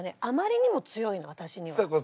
あまりにも強いの私には。